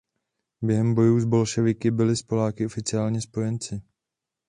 Během bojů s bolševiky byli s Poláky oficiálně spojenci.